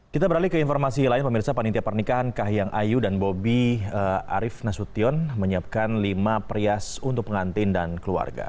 kita beralih ke informasi lain pemirsa panitia pernikahan kahiyang ayu dan bobi arief nasution menyiapkan lima perias untuk pengantin dan keluarga